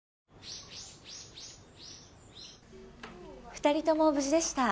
２人とも無事でした。